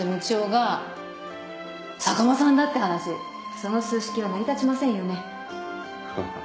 その数式は成り立ちませんよね。